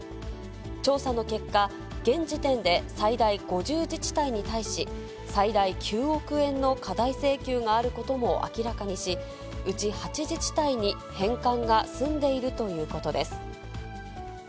調査の結果、現時点で最大５０自治体に対し、最大９億円の過大請求があることも明らかにし、うち８自治体に返還が済んでいるということです。